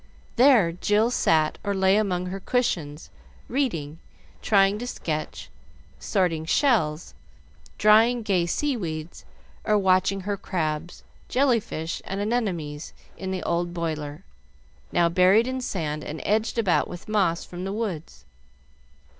There Jill sat or lay among her cushions reading, trying to sketch, sorting shells, drying gay sea weeds, or watching her crabs, jelly fish, and anemones in the old boiler, now buried in sand and edged about with moss from the woods.